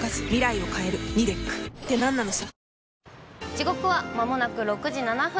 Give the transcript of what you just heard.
時刻はまもなく６時７分。